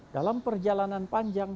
dalam perjalanan panjang